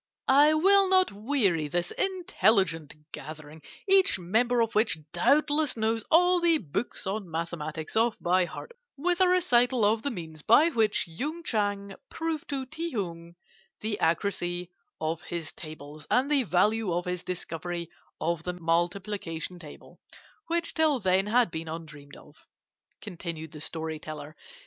"I will not weary this intelligent gathering, each member of which doubtless knows all the books on mathematics off by heart, with a recital of the means by which Yung Chang proved to Ti Hung the accuracy of his tables and the value of his discovery of the multiplication table, which till then had been undreamt of," continued the story teller.